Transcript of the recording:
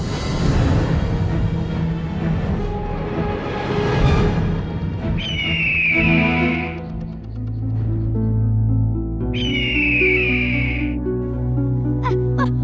eh mau kemana